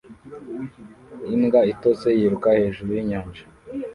Imbwa itose yiruka hejuru yinyanja